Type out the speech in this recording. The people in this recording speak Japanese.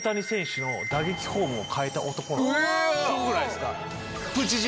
すごくないですか？